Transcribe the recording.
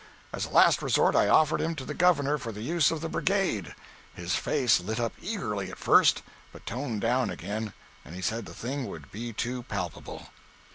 As a last resort I offered him to the Governor for the use of the "Brigade." His face lit up eagerly at first, but toned down again, and he said the thing would be too palpable.